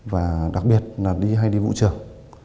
và đặc biệt là đi hay đi vụ trường